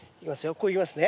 こういきますね。